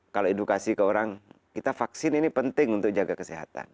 kalau edukasi ke orang kita vaksin ini penting untuk jaga kesehatan